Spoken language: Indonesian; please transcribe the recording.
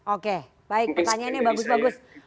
oke baik pertanyaannya bagus bagus